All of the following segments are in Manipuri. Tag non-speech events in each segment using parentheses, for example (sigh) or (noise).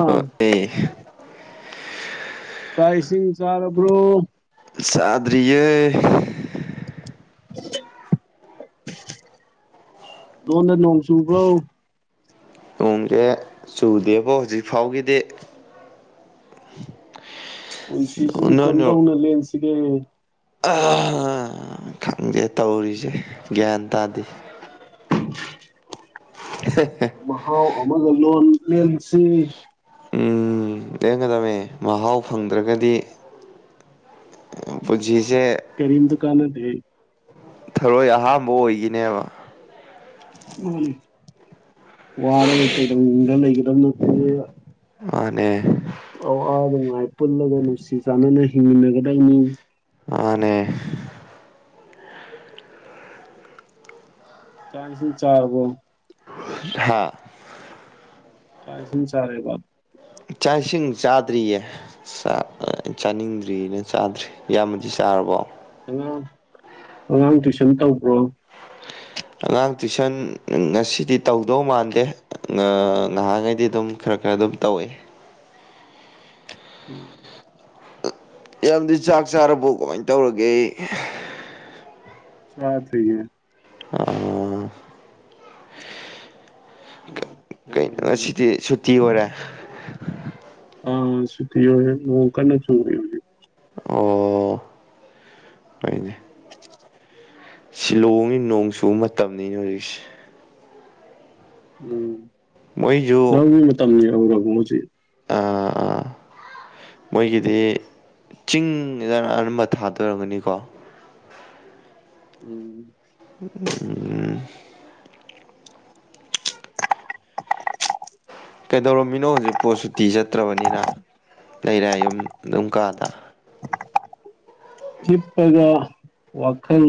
ꯑꯥ ꯆꯥꯛ ꯏꯁꯤꯡ ꯆꯥꯔꯕ꯭ꯔꯣ ꯆꯥꯗ꯭ꯔꯤꯌꯦ ꯗꯣꯟꯗ ꯅꯣꯡ ꯆꯨꯕ꯭ꯔꯣ ꯅꯣꯡꯖꯦ ꯆꯨꯗꯦꯕꯣ ꯍꯧꯖꯤꯛ ꯐꯥꯎꯒꯤꯗꯤ ꯄꯟꯁꯤꯁꯤꯕꯨ ꯀꯝꯗꯧꯅ ꯂꯦꯟꯁꯤꯒꯦ ꯑꯥ ꯈꯪꯗꯦ ꯇꯧꯔꯤꯖꯦ ꯒ꯭ꯌꯥꯟ ꯇꯥꯗꯦ (unintelligible) ꯃꯍꯥꯎ ꯑꯃꯒ ꯂꯣꯟ ꯂꯦꯟꯁꯤ ꯎꯝ ꯂꯦꯡꯒꯗꯕꯅꯦ ꯃꯍꯥꯎ ꯐꯪꯗ꯭ꯔꯒꯗꯤ ꯄꯨꯟꯁꯤꯁꯦ ꯀꯔꯤꯝꯇꯥ ꯀꯥꯟꯅꯗꯦ ꯊꯔꯣꯏ ꯑꯍꯥꯝꯕ ꯑꯣꯏꯒꯤꯅꯦꯕ ꯃꯥꯅꯤ ꯋꯥꯔꯒ ꯀꯩꯗꯧꯅꯨꯡꯗ ꯂꯩꯒꯗꯕ ꯅꯠꯇꯦ ꯃꯥꯅꯦ ꯑꯋꯥ ꯅꯨꯡꯉꯥꯏ ꯄꯨꯜꯂꯒ ꯅꯨꯡꯁꯤ ꯆꯥꯟꯅꯅ ꯍꯤꯡꯃꯤꯟꯅꯒꯗꯕꯅꯤ ꯃꯥꯅꯦ ꯆꯥꯛ ꯏꯁꯤꯡ ꯆꯥꯔꯕꯣ ꯍꯥꯥ ꯆꯥꯛ ꯏꯁꯤꯡ ꯆꯥꯔꯦꯕ ꯆꯥꯛ ꯏꯁꯤꯡ ꯆꯥꯗ꯭ꯔꯤꯌꯦ ꯆꯥꯛꯀ ꯑꯩ ꯆꯥꯅꯤꯡꯗ꯭ꯔꯤꯅ ꯆꯥꯗ꯭ꯔꯤ ꯏꯌꯥꯝꯕꯗꯤ ꯆꯥꯔꯕꯣ ꯑꯉꯥꯡ ꯑꯉꯥꯡ ꯇꯨꯏꯁꯟ ꯇꯧꯕ꯭ꯔꯣ ꯑꯉꯥꯡ ꯇꯨꯏꯁꯟ ꯉꯁꯤꯗꯤ ꯇꯧꯗꯧ ꯃꯥꯟꯗꯦ ꯉ ꯅꯍꯥꯟꯈꯩꯗꯤ ꯑꯗꯨꯝ ꯈꯔ__ ꯈꯔ ꯑꯗꯨꯝ ꯇꯧꯋꯦ ꯎꯝ ꯑꯦꯜꯗꯤ ꯆꯥꯛ ꯆꯥꯔꯕ ꯀꯃꯥꯏꯅ ꯇꯧꯔꯒꯦ (unintelligible) ꯆꯥꯗ꯭ꯔꯤꯌꯦ ꯑꯩꯅ ꯂꯩꯔꯝꯕꯅꯦ ꯉꯁꯤꯗꯤ ꯁꯨꯇꯤ ꯑꯣꯏꯔꯦ ꯑ ꯁꯨꯇꯤ ꯑꯣꯏꯔꯦ ꯅꯣꯡ ꯀꯟꯅ ꯆꯨꯔꯤ ꯍꯧꯖꯤꯛ ꯑꯣ ꯂꯩꯅꯤ ꯁꯤꯂꯣꯡꯗꯤ ꯅꯣꯡ ꯆꯨꯕ ꯃꯇꯝꯅꯤꯅꯦ ꯍꯧꯖꯤꯛꯁꯤ ꯎꯝ ꯃꯣꯏꯁꯨ ꯂꯧꯒꯤ ꯃꯇꯝ ꯌꯧꯔꯕꯣ ꯍꯧꯖꯤꯛ ꯃꯣꯏꯒꯤꯗꯤ ꯆꯤꯡꯗ ꯑꯅꯝꯕ ꯊꯥꯗꯣꯏ ꯑꯣꯏꯔꯝꯒꯅꯤꯀꯣ ꯎꯝ (unintelligible) ꯀꯩꯗꯧꯔꯝꯃꯤꯅꯣ ꯍꯧꯖꯤꯛꯄꯨ ꯁꯨꯇꯤ ꯆꯠꯇ꯭ꯔꯕꯅꯤꯅ ꯂꯩꯔꯦ ꯌꯨꯝ ꯑꯗꯨꯝ ꯀꯥꯗ ꯍꯤꯞꯄꯒ ꯋꯥꯈꯜ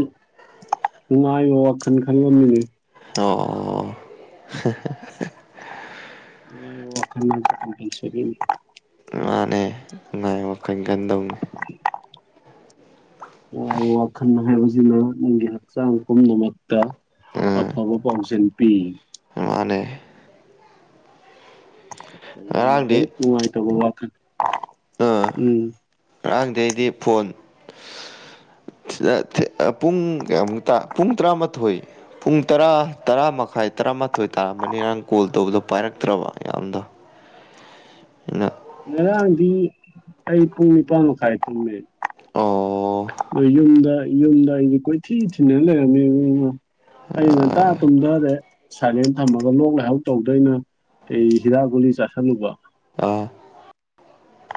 ꯅꯨꯡꯉꯥꯏꯕ ꯋꯥꯈꯜ ꯈꯜꯂꯝꯃꯤꯅꯦ ꯑꯣ (unintelligible) ꯅꯨꯡꯉꯥꯏꯕ ꯋꯥꯈꯜ (unintelligible) ꯃꯥꯅꯦ ꯅꯨꯡꯉꯥꯏꯕ ꯋꯥꯈꯜ ꯈꯟꯗꯧꯅꯤ (unintelligible) ꯅꯨꯡꯉꯥꯏꯕ ꯋꯥꯈꯜ ꯍꯥꯏꯕꯖꯤꯅ ꯅꯪꯒꯤ ꯍꯛꯆꯥꯡ ꯄꯨꯝꯅꯃꯛꯇ ꯑꯥ ꯑꯐꯕ ꯄꯥꯎꯖꯦꯜ ꯄꯤ ꯃꯥꯅꯦ ꯀꯩꯒꯨꯝꯕ ꯉꯔꯥꯡꯗꯤ ꯍꯦꯛ ꯅꯨꯡꯉꯥꯏꯇꯕ ꯋꯥꯈꯟ (unintelligible) ꯉꯔꯥꯡꯗꯩꯗꯤ ꯐꯣꯟ ꯄꯨꯡ ꯀꯌꯥꯃꯨꯛꯇꯥ ꯄꯨꯡ ꯇꯔꯥꯃꯥꯊꯣꯏ ꯄꯨꯡ ꯇꯔꯥ ꯇꯔꯥ ꯃꯈꯥꯏ ꯇꯔꯥꯃꯥꯊꯣꯏ ꯇꯥꯔꯝꯃꯅꯤ ꯉꯔꯥꯡ ꯀꯣꯜ ꯇꯧꯕꯗꯣ ꯄꯥꯏꯔꯛꯇ꯭꯭ꯔꯕ ꯌꯥꯝꯗꯣ (inaudible) ꯅꯥ ꯉꯔꯥꯡꯗꯤ ꯑꯩꯨ ꯄꯨꯡ ꯅꯤꯄꯥꯟ ꯃꯈꯥꯏ ꯇꯨꯝꯃꯦ ꯑꯣ ꯌꯨꯝꯗ ꯌꯨꯝꯗ ꯑꯩꯖꯦ ꯀꯣꯏꯊꯤ ꯊꯤꯅ ꯂꯩꯔꯝꯃꯦ (unintelligible) ꯑꯩ ꯉꯟꯇꯥ ꯑꯥ ꯇꯨꯝꯗꯥꯔꯦ ꯁꯥꯏꯂꯦꯟ ꯊꯝꯃꯒ ꯂꯣꯛ ꯂꯥꯏꯍꯧ ꯇꯧꯗꯣꯏꯅ ꯑꯩ ꯍꯤꯗꯥꯛ ꯒꯨꯂꯤ ꯆꯥꯁꯟꯂꯨꯕ ꯑꯣ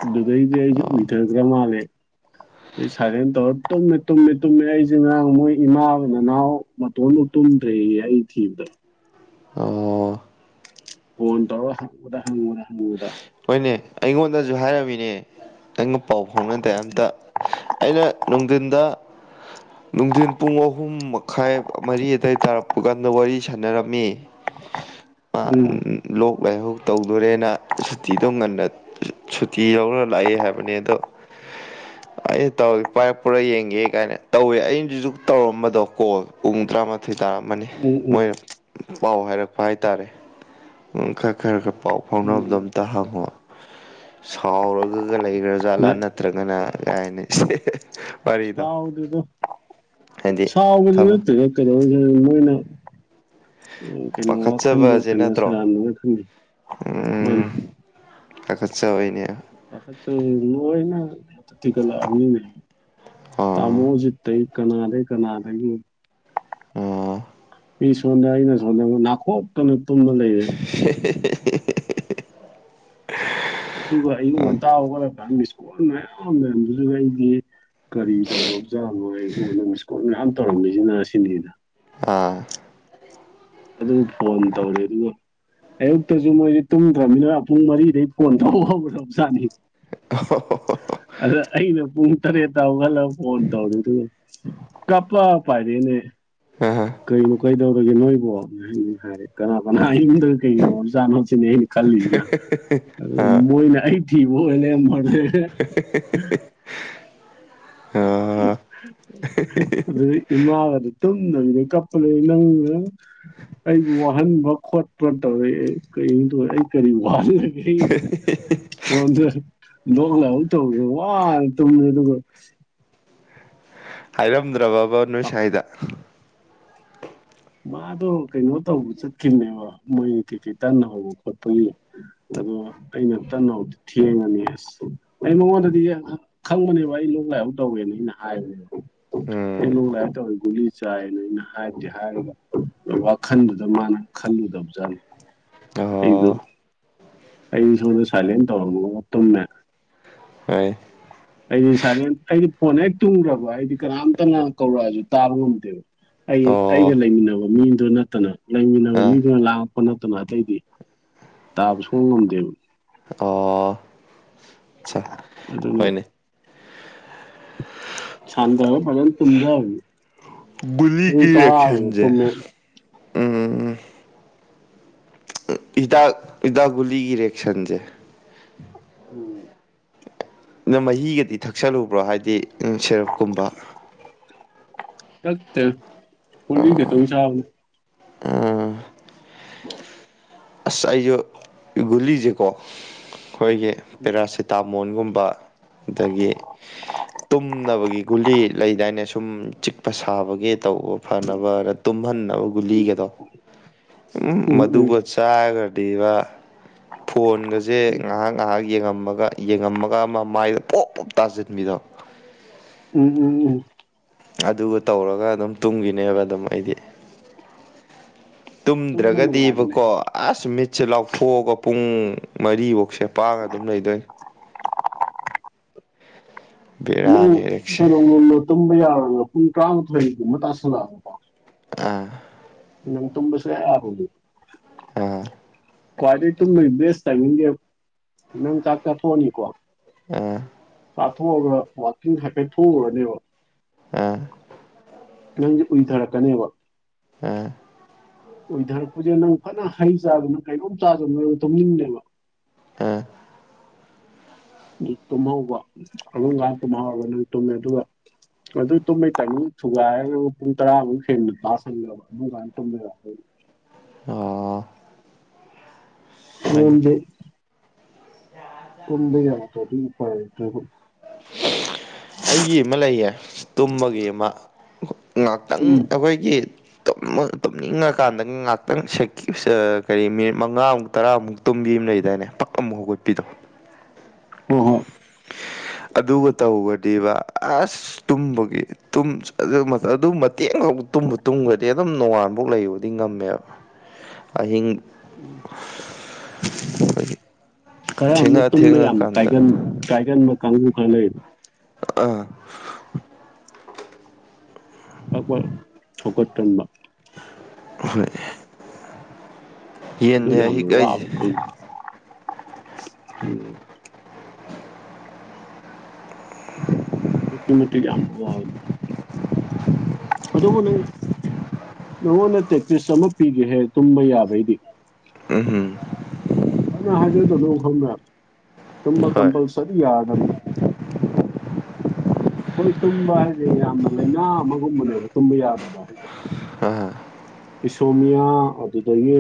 ꯑꯗꯨꯗꯩꯗꯤ ꯑꯩꯖꯦ ꯎꯏꯗꯒ꯭ꯔ ꯃꯥꯜꯂꯦ ꯑꯩ ꯁꯥꯏꯂꯦꯟ ꯇꯧꯔꯥ ꯇꯨꯝꯃꯦ ꯇꯨꯝꯃꯦ ꯇꯨꯝꯃꯦ ꯑꯩꯖꯦ ꯉꯔꯥꯡ ꯃꯣꯏ ꯏꯃꯥ ꯅꯅꯥꯎ ꯃꯇꯣꯝꯇꯥ ꯇꯨꯝꯗ꯭ꯔꯦꯌꯦ ꯑꯩ ꯊꯤꯕꯗ ꯑꯣ ꯀꯣꯟ ꯇꯧꯔꯥ ꯍꯪꯕꯗ ꯍꯪꯕꯗ ꯍꯪꯕꯗ ꯍꯣꯏꯅꯦ ꯑꯩꯉꯣꯟꯗꯖꯨ ꯍꯥꯏꯔꯝꯃꯤꯅꯦ ꯑꯩꯒ ꯄꯥꯎ ꯐꯥꯎꯅꯗꯦ ꯑꯝꯇ ꯑꯩꯅ ꯅꯨꯡꯗꯤꯟꯗ ꯅꯨꯡꯗꯤꯟ ꯄꯨꯡ ꯑꯍꯨꯝ ꯃꯈꯥꯏ ꯃꯔꯤ ꯑꯗꯥꯏ ꯇꯥꯔꯛ ꯄꯨꯀꯥꯟꯗ ꯋꯥꯔꯤ ꯁꯥꯟꯅꯔꯝꯃꯤ ꯑꯥ ꯎꯝ ꯂꯣꯛ ꯂꯥꯏꯍꯧ ꯇꯧꯗꯣꯔꯦꯅ ꯁꯨꯇꯤꯗꯣ ꯉꯟꯅ ꯁꯨꯇꯤ ꯂꯧꯔ ꯂꯥꯛꯑꯦ ꯍꯥꯏꯕꯅꯤ ꯑꯗꯣ ꯑꯩꯅ ꯇꯧꯋꯤ ꯄꯥꯏꯔꯛꯄ꯭ꯔꯥ ꯌꯦꯡꯒꯦ ꯀꯥꯏꯅ ꯇꯧꯋꯦ ꯑꯩꯅꯗꯨꯁꯨ ꯇꯧꯔꯝꯕꯗꯣ ꯀꯣꯜ ꯄꯨꯡ ꯇꯔꯥꯃꯥꯊꯣꯏ ꯇꯥꯔꯝꯃꯅꯤ ꯎꯝ ꯎꯝ ꯃꯣꯏ ꯄꯥꯎ ꯍꯥꯏꯔꯛꯄ ꯍꯥꯏꯇꯥꯔꯦ ꯈꯔ ꯈꯔ ꯈꯔ ꯄꯥꯎ ꯐꯥꯎꯅꯕꯗꯣ ꯎꯝ ꯇꯍꯪꯉꯣ ꯁꯥꯎꯔꯒꯒ ꯂꯩꯒ꯭ꯔ ꯖꯥꯠꯂꯥ ꯅ ꯅꯠꯇ꯭ꯔꯒꯅ ꯀꯥꯏꯅꯦ ꯁꯥꯎꯗꯦꯗ ꯍꯥꯏꯗꯤ ꯁꯥꯎꯅꯗꯤ ꯊꯕꯛ ꯅꯠꯇꯦꯍꯦ ꯀꯩꯗꯧꯕꯩꯅꯣ ꯃꯣꯏꯅ ꯎ ꯀꯩꯅꯣ ꯋꯥꯈꯟꯗꯣ ꯄꯥꯈꯠꯆꯕꯁꯦ ꯀꯩꯅꯣ ꯅꯠꯇ꯭ꯔꯣ ꯁꯦꯔꯥꯟꯅꯅ ꯈꯟꯒ꯭ꯔꯦ ꯃꯥꯟꯅꯦ ꯄꯥꯈꯠꯆꯕꯩꯅꯦ ꯄꯥꯈꯠꯆꯕꯒ ꯂꯣꯢꯅ (unintelligible) ꯑꯥ ꯇꯥꯃꯣ ꯖꯤꯠꯇꯩ ꯀꯅꯥꯗꯩ ꯀꯅꯥꯗꯩ ꯎꯝ ꯃꯤ ꯁꯣꯟꯗ ꯑꯩꯅ ꯁꯣꯟꯗ ꯅꯥꯈꯣꯛꯇꯅ ꯇꯨꯝꯃ ꯂꯩꯔꯦ (inaudible) ꯑꯗꯨꯒ ꯑꯌꯨꯛ ꯉꯟꯇꯥ ꯍꯧꯒꯠꯂꯛꯀꯥꯟꯗ ꯃꯤꯁꯀꯣꯜ ꯃꯌꯥꯝ ꯂꯩꯔꯝꯕꯗꯨꯗ ꯑꯩꯗꯤ ꯀꯔꯤ ꯗꯧꯔꯕꯖꯥꯠꯅꯣ ꯑꯩꯉꯣꯟꯗ ꯃꯤꯁꯀꯣꯜ ꯃꯌꯥꯝ ꯇꯧꯔꯝꯃꯤꯖꯤꯅ ꯁꯤꯅꯤꯗ ꯑꯥ ꯑꯗꯨ ꯐꯣꯟ ꯇꯧꯔꯦ ꯑꯗꯨꯒ ꯑꯌꯨꯛꯇꯁꯨ ꯃꯣꯏꯗꯤ ꯇꯨꯝꯗ꯭ꯔꯕꯅꯤꯅ ꯄꯨꯡ ꯃꯔꯤꯗꯩ ꯐꯣꯟ ꯇꯧꯕ ꯍꯧꯔꯕꯖꯥꯠꯅꯤ (inaudible) ꯑꯗ ꯑꯩꯅ ꯄꯨꯡ ꯇꯔꯦꯠꯇ ꯍꯧꯒꯠꯂ ꯐꯣꯟ ꯇꯧꯔꯦ ꯑꯗꯨꯒ ꯀꯥꯞꯄ ꯄꯥꯏꯔꯛꯑꯦꯅꯦ ꯑꯥ ꯑꯥ ꯀꯩꯅꯣ ꯀꯩꯗꯧꯔꯒꯦ ꯅꯣꯏꯕꯣ (inaudible) ꯍꯥꯏꯔꯦ ꯀꯅꯥ ꯀꯅꯥ ꯏꯃꯨꯡꯗ ꯀꯩ ꯗꯧꯔꯖꯥꯠꯅꯣ ꯁꯤꯅꯦ ꯑꯩꯅ ꯈꯜꯂꯤꯁꯤꯅ ꯑꯗꯨꯒ ꯃꯣꯏꯅ ꯑꯩ ꯊꯤꯕ ꯑꯣꯢꯕ ꯂꯩꯔꯝꯕꯗꯨꯅꯦ (inaudible) ꯑꯥ ꯑꯗꯨꯗꯩ ꯏꯃꯥꯒꯗ ꯇꯨꯝꯗꯕꯤ ꯀꯞꯄ ꯂꯩ ꯅꯪꯅ ꯑꯩꯕꯨ ꯋꯥꯍꯟꯕ ꯈꯣꯠꯄ ꯇꯧꯔꯦ ꯀꯔꯤꯅꯣ ꯊꯧꯔꯤꯖꯦ ꯑꯩꯅ ꯀꯔꯤ ꯋꯥꯍꯜꯒꯦ ꯁꯣꯝꯗ ꯂꯣꯛ ꯂꯥꯢꯍꯧ ꯇꯧꯔꯨꯕ ꯋꯥꯅ ꯇꯨꯝꯃꯦ ꯑꯗꯨꯒ ꯍꯥꯏꯔꯝꯗ꯭ꯔꯕꯕ ꯅꯣꯏ ꯁꯥꯏꯗ ꯃꯥꯗꯣ ꯀꯩꯅꯣ ꯇꯧꯕ ꯆꯠꯈꯤꯕꯅꯦꯕ ꯃꯣꯏ ꯀꯩꯀꯩ ꯇꯟ ꯍꯧꯕ ꯈꯣꯠꯄꯒꯤ ꯑꯗꯣ ꯑꯩꯅ ꯇꯟ ꯍꯧꯗꯣ ꯊꯦꯡꯉꯅꯤ ꯑꯁ ꯑꯩꯉꯣꯟꯗꯗꯤ ꯈꯪꯕꯅꯦꯕ ꯑꯩ ꯂꯣꯛ ꯂꯥꯏꯍꯧ ꯇꯧꯋꯦꯅ ꯑꯩꯅ ꯍꯥꯏꯕꯅꯦꯕ ꯎꯝ ꯑꯩꯅ ꯂꯣꯛ ꯂꯥꯢꯍꯧ ꯊꯧꯋꯤ ꯒꯨꯜꯂꯤ ꯆꯥꯢꯅ ꯍꯥꯢꯕꯨꯗꯤ ꯍꯥꯢꯔꯤꯕ ꯋꯥꯈꯟꯗꯨꯗ ꯃꯥꯅ ꯈꯜꯂꯨꯗꯕꯖꯥꯠꯅꯤ ꯑꯩꯗꯨ ꯑꯣ ꯑꯩꯖꯨ ꯁꯣꯟꯗ ꯁꯥꯢꯂꯦꯟ ꯇꯧꯔꯝꯃꯒ ꯇꯨꯝꯃꯦ ꯍꯣꯏ ꯑꯩꯗꯤ ꯁꯥꯂꯦꯟ ꯑꯩꯗꯤ ꯐꯣꯟ ꯍꯦꯛ ꯇꯨꯝꯈ꯭ꯔꯕ ꯑꯩꯗꯤ ꯀꯅꯥꯝꯇꯅ ꯀꯧꯔꯛꯑꯁꯨ ꯇꯥꯕ ꯉꯝꯗꯦꯕ ꯑꯩ ꯑꯣ ꯑꯩꯒ ꯂꯩꯃꯤꯟꯅꯕ ꯃꯤꯗꯨ ꯅꯠꯇꯅ ꯂꯩꯃꯤꯟꯅꯕ ꯑ ꯃꯤꯗꯨꯅ ꯂꯥꯡꯉꯛꯄ ꯅꯠꯇꯅ ꯑꯇꯩꯗꯤ ꯇꯥꯕ ꯁꯨꯡꯉꯝ ꯉꯝꯗꯦꯕ ꯑꯣ ꯑꯠꯆꯥ ꯑꯗꯨꯅꯤ ꯍꯣꯏꯅꯦ ꯁꯥꯟꯗꯔ ꯐꯖꯅ ꯊꯨꯝꯗꯕꯅꯦ ꯄꯨꯡ ꯒꯨꯂꯤꯒꯤ ꯇꯥꯔꯥ ꯍꯦꯟꯅ ꯔꯤꯌꯦꯛꯁꯟꯁꯦ ꯇꯨꯝꯃꯦ ꯎꯝ ꯍꯤꯗꯥꯛ ꯍꯤꯗꯥꯛ ꯒꯨꯂꯤꯒꯤ ꯔꯤꯑꯦꯛꯁꯟꯖꯦ ꯎꯝ ꯅꯪ ꯃꯍꯤꯒꯗꯤ ꯊꯛꯆꯜꯂꯨꯕ꯭ꯔꯣ ꯍꯥꯏꯗꯤ ꯁꯦꯔꯞꯀꯨꯝꯕ ꯊꯛꯊꯦ ꯒꯨꯂꯤ ꯈꯤꯛꯇꯪ ꯆꯥꯕꯅꯤ ꯑꯁ ꯑꯩꯁꯨ ꯒꯨꯂꯤꯁꯦꯀꯣ ꯈꯣꯏꯒꯤ ꯄꯦꯔꯥꯁꯤꯠ ꯇꯥꯃꯣꯜ ꯒꯨꯝꯕ ꯑꯗꯒꯤ ꯇꯨꯝꯅꯕꯒꯤ ꯒꯨꯂꯤ ꯂꯩꯗꯥꯏꯅ ꯁꯨꯝ ꯆꯤꯛꯄ ꯁꯥꯕꯒꯤ ꯇꯧꯕ ꯐꯅꯕꯅ ꯇꯨꯝꯍꯟꯅꯕ ꯒꯨꯂꯤꯒꯗꯣ ꯎꯝ ꯃꯗꯨꯒ ꯆꯥꯔꯒꯗꯤꯕ ꯐꯣꯟꯒꯁꯦ ꯉꯥꯏꯍꯥꯛ ꯉꯥꯏꯍꯥꯛ ꯌꯦꯡꯉꯝꯃꯒ ꯌꯦꯡꯉꯝꯃꯒ ꯑꯃ ꯃꯥꯏꯗ ꯄꯣꯞ ꯄꯣꯞ ꯇꯥꯁꯤꯟꯕꯤꯗꯣ ꯎꯝ ꯎꯝ ꯎꯝ ꯑꯗꯨꯒ ꯇꯧꯔꯒ ꯑꯗꯨꯝ ꯇꯨꯝꯈꯤꯅꯦꯕ ꯑꯗꯨꯝ ꯑꯩꯗꯤ ꯇꯨꯝꯕ ꯅꯨꯡꯉꯥꯏꯕꯅꯦ ꯇꯨꯝꯗ꯭ꯔꯒꯗꯤꯕꯀꯣ ꯑꯁ ꯃꯤꯠ ꯃꯤꯠꯁꯦ ꯂꯥꯎꯊꯣꯛꯑꯒ ꯄꯨꯡ ꯃꯔꯤꯐꯧꯁꯦ ꯄꯥꯡꯉ ꯑꯗꯨꯝ ꯂꯩꯗꯣꯏꯅꯤ ꯅꯪ ꯕꯦꯔꯥꯅꯦ ꯑꯦꯔꯤꯛꯁꯦ ꯀꯩꯅꯣ (inaudible) ꯅꯗ ꯇꯨꯝꯕ ꯌꯥꯔꯒ ꯄꯨꯡ ꯇꯔꯥꯃꯥꯊꯣꯏꯒꯨꯝꯕ ꯇꯥꯁꯜꯂꯛꯑꯕꯀꯣ ꯑꯥ ꯅ ꯇꯨꯝꯕ ꯁ ꯍꯥꯏꯒꯗꯤ (inaudible) ꯑꯥ ꯈꯋꯥꯢꯗꯒꯤ ꯇꯨꯝꯕꯒꯤ ꯇꯥꯢꯃꯤꯡꯗꯤꯒꯣ ꯑꯗꯨꯝ ꯆꯥꯛ ꯆꯥꯊꯣꯛꯑꯅꯤꯒꯣ ꯎꯝ ꯆꯥꯊꯣꯛꯑꯒ ꯋꯥꯛꯀꯤꯡ ꯍꯥꯏꯐꯦꯠ ꯊꯣꯛꯎꯔꯅꯦꯕ ꯎꯝ ꯅꯪꯁꯦ ꯎꯨꯏꯊꯔꯛꯀꯅꯦꯕ ꯎꯝ ꯑꯣꯏꯊꯔꯛꯄꯁꯦ ꯅꯪ ꯐꯅ ꯍꯩ ꯆꯔꯁꯨ ꯀꯩꯅꯣꯝ ꯆꯥꯁꯨꯅꯣ ꯇꯨꯝꯅꯤꯡꯗꯦꯕ ꯑ ꯇꯨꯝꯍꯧꯕ ꯑꯗꯨꯒꯥꯟ ꯇꯨꯝꯍꯧꯕ ꯅꯪ ꯇꯨꯝꯃꯦ ꯑꯗꯨꯒ ꯑꯗꯨ ꯇꯨꯝꯃꯦ ꯆꯅꯤꯨ ꯊꯨꯒꯥꯏ ꯄꯨꯡ ꯇꯔꯥꯃꯨꯛ ꯍꯦꯟꯅ ꯇꯥꯁꯟꯂꯕ ꯍꯥꯟ ꯇꯃꯦ (inaudible) ꯑꯣ ꯍꯣꯏꯅꯦ (inaudible) ꯇꯨꯝꯕ ꯌꯥꯔꯛꯇꯔꯗꯤ ꯎꯄꯥꯢ ꯂꯩꯇꯦ ꯑꯩꯒꯤ ꯑꯃ ꯂꯩꯌꯦ ꯇꯨꯝꯕꯒꯤ ꯑꯃ ꯉꯥꯛꯇꯪ ꯎꯝ ꯑꯩꯈꯣꯏꯒꯤ ꯇꯨꯝꯅꯤꯡꯉꯀꯥꯟꯗ ꯉꯥꯏꯍꯥꯛꯇꯪ ꯁ ꯀꯔꯤ ꯃꯤꯅꯤꯠ ꯃꯉꯥꯃꯨꯛ ꯇꯔꯥꯃꯨꯛ ꯇꯣꯝꯕꯤ ꯑꯃ ꯂꯩꯗꯥꯏꯅꯦ ꯄꯛ ꯑꯃꯨꯛ ꯍꯧꯒꯠꯄꯤꯗꯣ ꯍꯣꯏ ꯍꯣꯏ ꯑꯗꯨꯒ ꯇꯧꯕꯗꯤꯕ ꯑꯁ ꯇꯨꯝꯕꯒꯤ ꯑꯗꯨ ꯃꯇꯦꯡ ꯈ ꯇꯨꯝꯕ ꯇꯨꯝꯈ꯭ꯔꯗꯤ ꯑꯗꯨꯝ ꯅꯣꯡꯉꯥꯟꯐꯥꯎ ꯂꯩꯕꯗꯤ ꯉꯝꯃꯦꯕ ꯑꯍꯤꯡ ꯈꯔ ꯑꯃ ꯊꯦꯡꯉ ꯇꯨꯝꯕ ꯌꯥꯝꯅ ꯊꯦꯡꯉꯀꯥꯟꯗ ꯀꯥꯏꯒꯟ ꯀꯥꯏꯒꯟꯕ ꯀꯥꯡꯕꯨ ꯈꯔ ꯂꯩꯩꯕ ꯑꯥ ꯐꯥꯛ ꯐꯥꯛ ꯍꯧꯒꯠꯒꯥꯟꯕ ꯍꯣꯏ ꯑꯗꯨ ꯌꯦꯟꯅꯦ ꯌꯥꯝ ꯑꯍꯤꯛ ꯋꯥ ꯑꯩꯁꯦ ꯎꯝ (unintelligible) ꯀꯤꯃꯠꯇꯤ ꯀꯃ ꯋꯥ ꯑꯗꯣꯕꯨ ꯅꯪ (inaudible) ꯅꯪꯉꯣꯟꯗ ꯄ꯭ꯔꯦꯛꯇꯤꯁ ꯑꯃ ꯄꯤꯒꯦꯍꯦ ꯇꯨꯝꯕ ꯌꯥꯕꯩꯗꯤ ꯎꯝ ꯎꯝ ꯐꯅ ꯍꯥꯢꯖꯁꯨꯅꯣ ꯈꯪꯉꯕ ꯍꯣꯏ ꯀꯝꯄꯜꯁꯔꯤꯌꯥ ꯌꯥꯔꯗꯝꯅꯤ ꯍꯈꯣꯏ ꯇꯨꯝꯕ ꯍꯥꯏꯁꯦ ꯌꯥꯝꯅ ꯂꯥꯏꯅꯥ ꯑꯃꯒꯨꯝꯕꯅꯦꯕ ꯇꯨꯝꯕ ꯌꯥꯗꯕ ꯍꯥꯏꯁꯦ ꯑꯥ ꯏꯁꯣꯃꯤꯌꯥ ꯑꯗꯨꯗꯒꯤ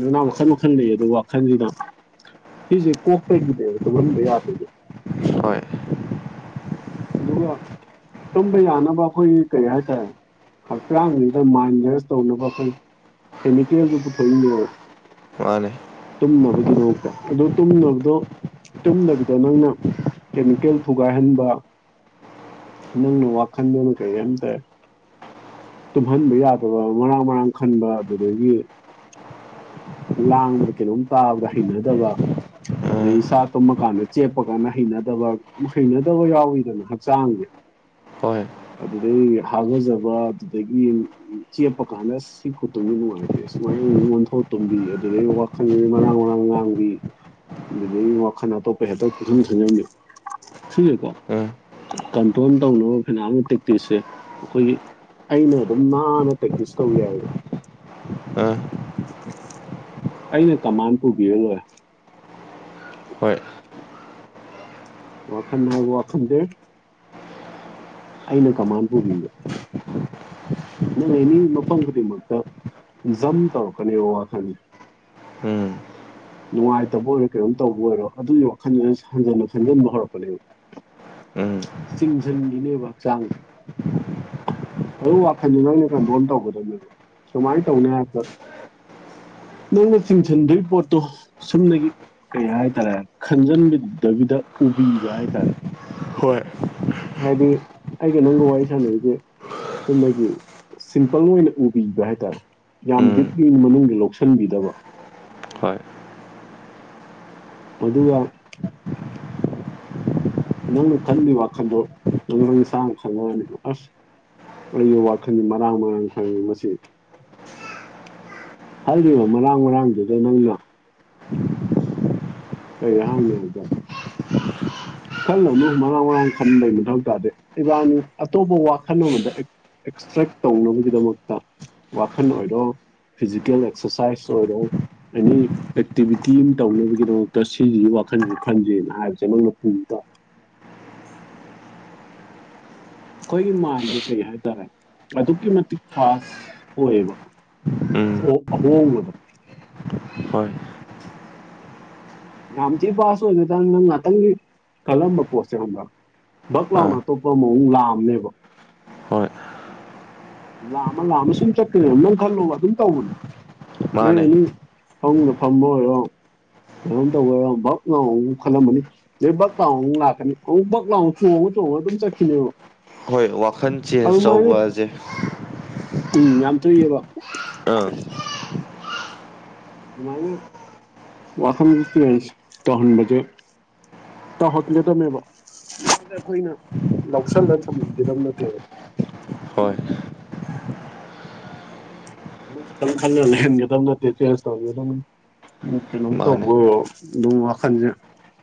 ꯂꯩꯅꯥ ꯃꯈꯜ ꯃꯈꯜ ꯂꯩ ꯑꯗꯨ ꯋꯥꯈꯜꯁꯤꯅ ꯁꯤꯁꯦ ꯀꯣꯛꯇꯒꯤꯅꯦꯕ ꯇꯨꯝꯍꯟꯕ ꯌꯥꯗꯔꯤꯗꯣ ꯍꯣꯏ ꯑꯗꯨꯒ ꯇꯨꯝꯕ ꯌꯥꯅꯕ ꯑꯩꯈꯣꯏ ꯀꯩ ꯍꯥꯏꯇꯥꯔꯦ ꯍꯛꯆꯥꯡꯗꯨꯗ ꯃꯥꯏꯟ ꯔꯦꯁ ꯇꯧꯅꯕ ꯑꯩꯈꯣꯏ ꯀꯦꯃꯤꯀꯦꯜꯗꯨ ꯄꯨꯊꯣꯏꯅꯦꯕ ꯃꯥꯅꯦ ꯇꯨꯝꯅꯕꯒꯤꯗꯃꯛꯇ ꯑꯗꯣ ꯇꯨꯝꯅꯕꯗꯣ ꯇꯨꯝꯅꯕꯗꯣ ꯅꯪꯅ ꯀꯦꯃꯤꯀꯦꯜ ꯊꯨꯒꯥꯏꯍꯟꯕ ꯅꯪꯅ ꯋꯥꯈꯟꯗꯨꯅ ꯀꯩ ꯑꯦꯝ ꯇ ꯇꯨꯝꯍꯟꯕ ꯌꯥꯗꯕ ꯃꯔꯥꯡ ꯃꯔꯥꯡ ꯈꯟꯕ ꯑꯗꯨꯗꯒꯤ ꯂꯥꯡꯕꯗ ꯀꯩꯅꯣꯝ ꯇꯥꯕꯗ ꯍꯩꯅꯗꯕ꯫ ꯑꯗꯩ ꯎꯝ ꯏꯁꯥ ꯇꯨꯝꯃ ꯀꯥꯟꯗ ꯆꯦꯞꯄ ꯀꯥꯟꯗ ꯍꯩꯅꯗꯕ ꯍꯩꯅꯗꯕ ꯌꯥꯎꯋꯤꯗꯅ ꯍꯛꯆꯥꯡꯖꯦ ꯍꯣꯏ ꯑꯗꯨꯗꯩ ꯍꯒꯖꯕ ꯑꯗꯨꯗꯒꯤ ꯎꯝ ꯆꯦꯞꯄ ꯀꯥꯟꯗ ꯁꯤ ꯈꯨꯇꯨꯝꯖꯤ ꯅꯨꯡꯉꯥꯏꯇꯦ ꯁꯨꯃꯥꯏ ꯃꯨꯛ ꯑꯣꯟꯊꯣꯛ ꯇꯨꯝꯕꯤ ꯑꯗꯨꯗꯩ ꯋꯥꯈꯜꯖ ꯃꯔꯥꯡ ꯃꯔꯥꯡ ꯂꯥꯡꯕꯤ ꯑꯗꯨꯗꯩ ꯋꯥꯈꯜ ꯑꯇꯣꯞꯄ ꯍꯦꯛꯇ ꯄꯨꯈꯟ ꯈꯟꯖꯟꯕꯤ ꯁꯤꯖꯦꯀꯣ ꯎꯝ ꯀꯟꯇ꯭ꯔꯣꯜ ꯇꯧꯅꯕ ꯐꯅꯥꯝ ꯇꯦꯛꯇꯤꯁ ꯁꯦ ꯑꯈꯣꯏꯒꯤ ꯑꯩꯅ ꯑꯗꯨꯝ ꯅꯥꯟꯅ ꯄ꯭ꯔꯦꯛꯇꯤꯁ ꯇꯧ ꯌꯥꯏꯕ꯫ ꯑ ꯑꯩꯅ ꯀꯃꯥꯟ ꯄꯨꯕꯤꯔ ꯂꯣꯏꯔꯦ ꯍꯣꯏ ꯋꯥꯈꯟ ꯍꯥꯏꯕ ꯋꯥꯈꯟꯗꯦ ꯑꯩꯅ ꯀꯃꯥꯟ ꯄꯨꯕꯤꯕ ꯅꯪ ꯑꯦꯅꯤ ꯃꯐꯝ ꯈꯨꯗꯤꯡꯃꯛꯇ ꯖꯝ ꯇꯧꯔꯛꯀꯅꯦꯕ ꯋꯥꯈꯜꯖꯦ꯫ ꯎꯝ ꯅꯨꯡꯉꯥꯏꯇꯕ ꯑꯣꯏꯔꯣ ꯀꯩꯅꯣꯝ ꯇꯧꯕ ꯑꯣꯏꯔꯣ ꯑꯗꯨꯏ ꯋꯥꯈꯜꯗꯨꯅ ꯍꯦꯟꯖꯟꯅꯥ ꯈꯟꯖꯟꯕ ꯍꯧꯔꯛꯄꯅꯦꯕ꯫ ꯎꯝ ꯆꯤꯡꯖꯟꯒꯤꯅꯦꯕ ꯍꯛꯆꯥꯡꯖꯦ ꯑꯗꯨ ꯋꯥꯈꯟꯗꯤ ꯅꯣꯏꯅ ꯀꯟꯇꯔꯣꯟ ꯇꯧꯒꯗꯕꯃꯦꯕ ꯀꯃꯥꯏ ꯇꯧꯅꯤ ꯍꯥꯏꯕꯗ ꯅꯪꯅ ꯆꯤꯡꯁꯤꯟꯗꯣꯏ ꯄꯣꯠꯇꯣ ꯁꯨꯝꯅꯒꯤ ꯀꯩ ꯍꯥꯏꯇꯥꯔꯦ ꯈꯟꯖꯟꯕꯤꯗꯕꯤꯗ ꯎꯕꯤꯕ ꯍꯥꯏꯇꯥꯔꯦ ꯍꯣꯏ ꯍꯥꯏꯗꯤ ꯑꯩꯒ ꯅꯪꯒ ꯋꯥꯔꯤ ꯁꯥꯟꯅꯩꯖꯦ ꯆꯨꯝꯅꯒꯤ ꯁꯤꯝꯄꯜ ꯑꯣꯏꯅ ꯎꯕꯤꯕ ꯍꯥꯏꯇꯥꯔꯦ ꯌꯥꯝ ꯎꯝ ꯗꯤꯞꯂꯤ ꯃꯅꯨꯡꯗꯤ ꯂꯧꯁꯤꯟꯕꯤꯗꯕ꯫ ꯍꯣꯏ ꯑꯗꯨꯒ ꯅꯪꯅ ꯈꯟꯕꯩ ꯋꯥꯈꯜꯗꯣ ꯅꯪ ꯅꯁꯥꯅ ꯈꯜꯂꯣ ꯍꯥꯏꯅꯦꯕ ꯑꯁ ꯑꯩꯒꯤ ꯋꯥꯈꯜꯅꯤ ꯃꯔꯥꯡ ꯃꯔꯥꯡ ꯈꯜꯂꯤ ꯃꯁꯤ ꯈꯜꯂꯤꯕ ꯃꯔꯥꯡ ꯃꯔꯥꯡꯗꯨꯗ ꯅꯪꯅ ꯀꯩ ꯍꯥꯌꯅꯤ ꯍꯥꯌꯕꯗ ꯈꯜꯂꯅꯨ ꯃꯔꯥꯡ ꯃꯔꯥꯡ ꯈꯟꯕꯩ ꯃꯊꯧ ꯇꯥꯗꯦ ꯏꯕꯥꯅꯤ ꯑꯇꯣꯞꯄ ꯋꯥꯈꯜ ꯑꯃꯗ ꯑꯦꯛꯁꯇ꯭ꯔꯦꯛ ꯇꯧꯅꯕꯒꯤꯗꯃꯛꯇ ꯋꯥꯈꯜ ꯑꯣꯏꯔꯣ ꯐꯤꯖꯤꯀꯦꯜ ꯑꯦꯛꯁꯔꯁꯥꯏꯁ ꯑꯣꯏꯔꯣ ꯑꯦꯅꯤ ꯑꯦꯛꯇꯤꯚꯤꯇꯤ ꯑꯃ ꯇꯧꯅꯕꯒꯤꯗꯃꯛ ꯇꯣ ꯁꯤꯖꯤꯒꯤ ꯋꯥꯈꯟꯖꯦ ꯈꯟꯖꯦꯅ ꯍꯥꯏꯕꯖꯦ ꯅꯪꯅ ꯄꯨꯇꯥꯝ ꯑꯩꯈꯣꯏꯒꯤ ꯃꯥꯏꯟꯖꯦ ꯀꯩ ꯍꯥꯏꯇꯥꯔꯦ ꯑꯗꯨꯛꯀꯤ ꯃꯇꯤꯛ ꯐꯥꯁ ꯑꯣꯏꯕ ꯎꯝ ꯑꯣꯛ ꯑꯍꯣꯡꯕꯗꯣ ꯍꯣꯏ ꯌꯥꯝ ꯊꯤ ꯕꯥꯁ ꯑꯣꯏꯒꯔꯥꯖꯥꯅꯤ ꯅꯪ ꯉꯥꯛꯇꯪꯒꯤ ꯈꯜꯂꯝꯕ ꯄꯣꯠꯁꯦ ꯈꯪꯕꯔꯥ ꯕꯛ ꯂꯥꯎꯅ ꯑꯥ ꯑꯇꯣꯞꯄ ꯑꯃ ꯑꯃꯨꯛ ꯂꯥꯝꯅꯦꯕ꯫ ꯍꯣꯏ ꯂꯥꯝꯃ ꯂꯥꯝꯃ ꯁꯨꯝ ꯆꯠꯀꯅꯦꯕ ꯅꯪ ꯈꯜꯂꯨꯕ ꯑꯗꯨꯝ ꯇꯧꯕꯅꯦ ꯅꯣꯏ ꯃꯥꯅꯦ ꯑꯦꯅꯤ ꯐꯃꯨꯡꯗ ꯐꯝꯕ ꯑꯣꯏꯔꯣ ꯀꯩꯅꯣꯝ ꯇꯧꯕ ꯑꯣꯏꯔꯣ ꯚꯛ ꯂꯥꯎꯅ ꯑꯃꯨꯛ ꯈꯜꯂꯝꯃꯅꯤ꯫ ꯑꯗꯩꯩ ꯕꯛ ꯂꯥꯎ ꯃꯨꯛ ꯂꯥꯛꯀꯅꯤ ꯑꯃꯨꯛ ꯕꯛ ꯂꯥꯎ ꯆꯣꯡꯉ ꯆꯣꯡꯉꯒ ꯑꯗꯨꯝ ꯆꯠꯈꯤꯅꯦꯕ꯫ ꯍꯣꯏ ꯋꯥꯈꯜ ꯆꯦꯟꯖ ꯑꯗꯨꯃꯥꯏꯅ ꯇꯧꯕꯖꯦ꯫ ꯎꯝ ꯌꯥꯝ ꯊꯨꯏꯌꯦꯕ ꯑꯥ ꯑꯗꯨꯃꯥꯏꯅ ꯋꯥꯈꯜ ꯆꯦꯟꯖ ꯇꯧꯍꯟꯕꯖꯦ꯫ ꯇꯧꯍꯟꯒꯗꯃꯦꯕ ꯑꯈꯣꯏꯅ ꯂꯧꯁꯜꯂ ꯊꯝꯍꯟꯒꯗꯝ ꯅꯠꯇꯦꯕ꯫ ꯍꯣꯏ ꯑꯃ ꯈꯇꯪ ꯈꯜꯂ ꯂꯩꯍꯟꯒꯗꯝ ꯅꯠꯇꯦ ꯆꯦꯟꯁ ꯇꯧꯍꯟꯒꯗꯝ ꯗꯨꯝ ꯀꯩꯅꯣꯝ ꯃꯥꯅꯦ ꯇꯧꯕ ꯑꯣꯏꯔꯣ ꯑꯗꯨꯝ ꯋꯥꯈꯟꯖꯦ꯫